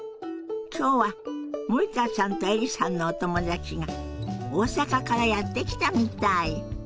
今日は森田さんとエリさんのお友達が大阪からやって来たみたい。